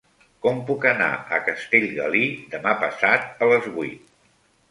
Com puc anar a Castellgalí demà passat a les vuit?